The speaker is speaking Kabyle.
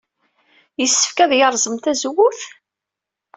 Yessefk ad yerẓem tazewwut?